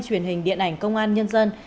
truyền hình điện ảnh công an nhân dân